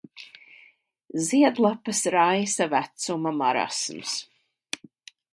Ziedlapas raisa vecuma marasms.